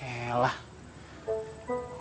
biar aman secara aman